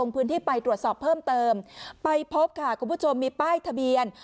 ไปพบค่ะคุณผู้ชมมีป้ายทะเบียน